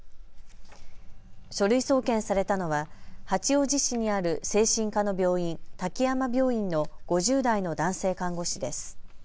書類送検されたのは八王子市にある精神科の病院、滝山病院の５０代の男性看護師です。